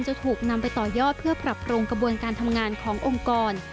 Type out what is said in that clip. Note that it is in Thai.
จะถูกนำไปต่อยอดเพื่อปรับปรุงกระบวนการทำงานขององค์กร